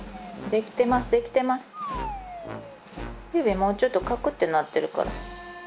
もうちょっとかくってなってるから。